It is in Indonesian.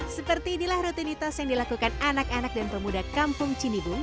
seperti inilah rutinitas yang dilakukan anak anak dan pemuda kampung cinibung